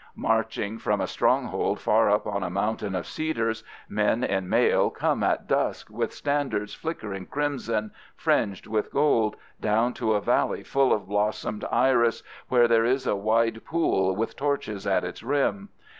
Marching from a stronghold far up on a mountain of cedars, men in mail come at dusk with standards flickering crimson, fringed with gold, down to a valley full of blossomed iris where there is a wide pool with torches at its rim.